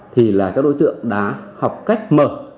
thì là các đối tượng đã học cách mở